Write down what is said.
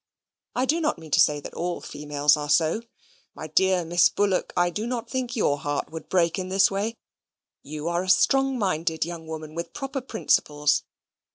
I do not mean to say that all females are so. My dear Miss Bullock, I do not think your heart would break in this way. You are a strong minded young woman with proper principles.